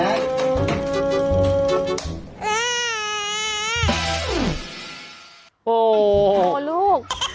สิเยี่ยมมากค่ะ